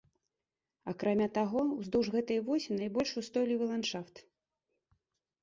Акрамя таго, уздоўж гэтай восі найбольш устойлівы ландшафт.